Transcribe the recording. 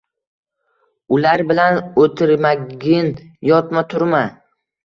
Ular bilan utirmagin yotma turma